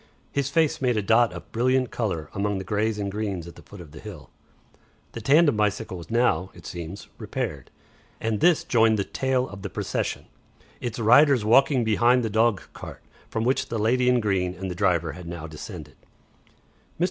His face made a dot of brilliant colour among the greys and greens at the foot of the hill. The tandem bicycle was now, it seems, repaired, and this joined the tail of the procession, its riders walking behind the dogcart, from which the lady in green and the driver had now descended. "Mr.